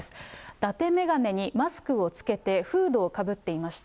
だて眼鏡にマスクをつけてフードをかぶっていました。